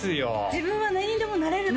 自分は何にでもなれると？